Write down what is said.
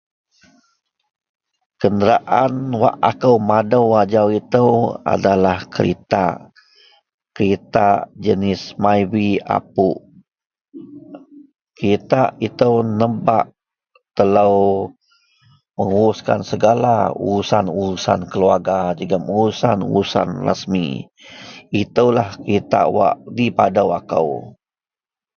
kenderaan wak akou madou ajau itou adalah keretak, keretak jenis myvi apuk, kereta itou nebak telou menguruskan segala urusan-urusan keluarga jegum urusan-urusan rasmi, itoulah keretak wak di padou akou